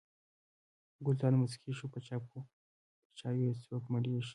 ګلداد موسکی شو: په چایو څوک مړېږي.